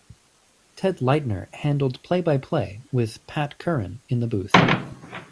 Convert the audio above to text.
Ted Leitner handled play-by-play with Pat Curran in the booth.